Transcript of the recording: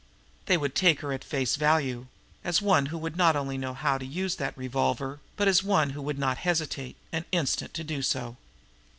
They would take her at face value as one who not only knew how to use that revolver, but as one who would not hesitate an instant to do so.